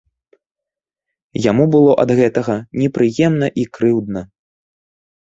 Яму было ад гэтага непрыемна і крыўдна.